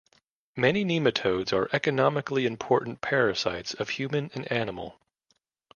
Many nematodes are economically important parasites of human and animal.